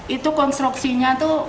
itu konstruksinya itu